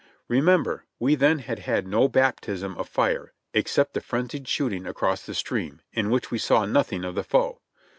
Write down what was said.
Remember, we then had had no baptism of fire, except the frenzied shooting across the stream, in which we saw nothing of the foe.